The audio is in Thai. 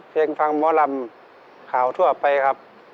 ฟังหมอลำข่าวทั่วไปครับ